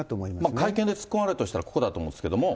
会見で突っ込まれるとしたらここだと思うんですけれども。